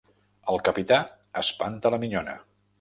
El capità espanta la minyona.